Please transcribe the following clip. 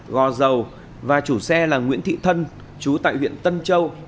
gò dầu và chủ xe là nguyễn thị thân chú tại huyện tân châu